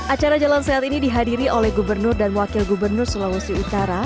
acara jalan sehat ini dihadiri oleh gubernur dan wakil gubernur sulawesi utara